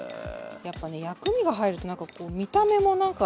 やっぱね薬味が入ると何かこう見た目も何か。